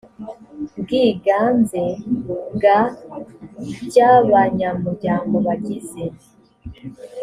bwiganze bwa by abanyamuryango bagize